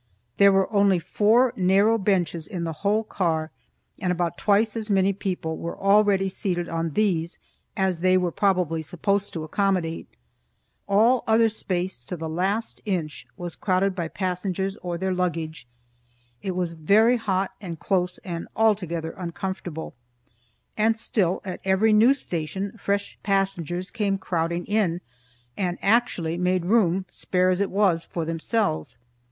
There were only four narrow benches in the whole car, and about twice as many people were already seated on these as they were probably supposed to accommodate. All other space, to the last inch, was crowded by passengers or their luggage. It was very hot and close and altogether uncomfortable, and still at every new station fresh passengers came crowding in, and actually made room, spare as it was, for themselves.